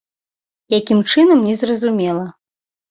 Якім чынам, не зразумела.